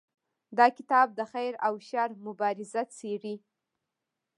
دا کتاب د خیر او شر مبارزه څیړي.